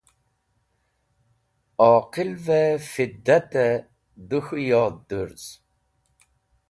Oqilvẽ fidatẽ dẽ k̃hũ yod dũrz.